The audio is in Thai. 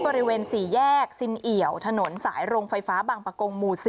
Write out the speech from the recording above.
บริเวณ๔แยกซินเอี่ยวถนนสายโรงไฟฟ้าบางประกงหมู่๔